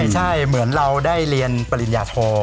ใช่เหมือนเราได้เรียนปริญญาโท